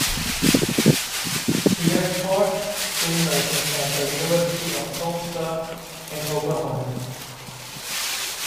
He has taught screen writing at the University of Tulsa in Oklahoma.